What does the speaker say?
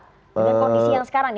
dengan kondisi yang sekarang